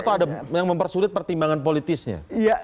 sulit atau mempersulit pertimbangan politisnya